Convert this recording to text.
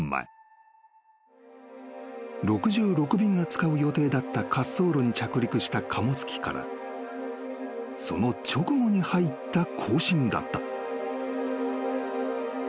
［６６便が使う予定だった滑走路に着陸した貨物機からその直後に入った交信だった］